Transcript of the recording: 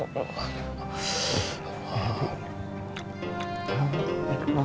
capai ntar arti